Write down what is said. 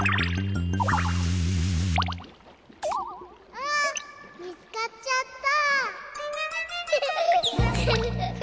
あみつかっちゃった。